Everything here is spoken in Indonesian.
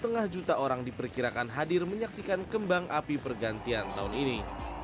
banyak satu lima juta orang diperkirakan hadir menyaksikan kembang api pergantian tahun ini